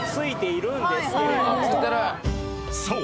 ［そう！